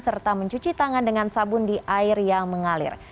serta mencuci tangan dengan sabun di air yang mengalir